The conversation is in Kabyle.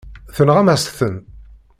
Tenɣam-as-ten.